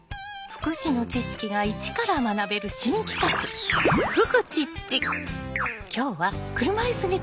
福祉の知識が一から学べるという新企画です。